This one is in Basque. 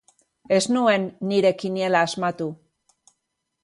Ez nuen nire kiniela asmatu.